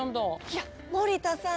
いや森田さん！